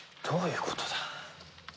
どういうことだ？